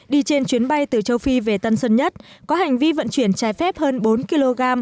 đi trên chuyến bay từ châu phi về tân sơn nhất có hành vi vận chuyển trái phép hơn bốn kg